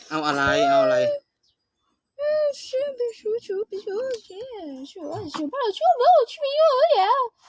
เอาอะไรเอาอะไร